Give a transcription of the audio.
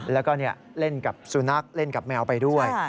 แล้วก็เล่นกับสุนัขเล่นกับแมวไปด้วย